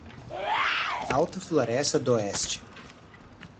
Alta Floresta d'Oeste